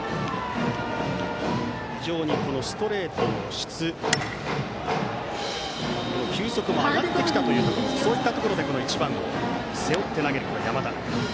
非常にストレートの質球速も上がってきたところそういったところで１番を背負って投げる山田。